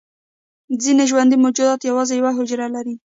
ځینې ژوندي موجودات یوازې یوه حجره لري